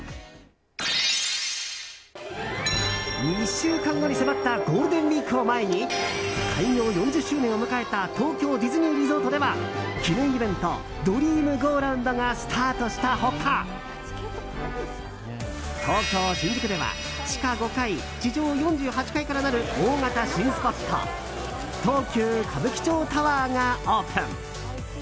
２週間後に迫ったゴールデンウィークを前に開業４０周年を迎えた東京ディズニーリゾートでは記念イベントドリームゴーラウンドがスタートした他東京・新宿では地下５階、地上４８階からなる大型新スポット東急歌舞伎町タワーがオープン。